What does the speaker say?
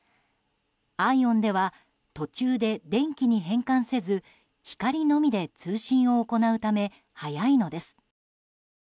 ＩＯＷＮでは途中で電気に変換せず光のみで通信を行うため速いのです。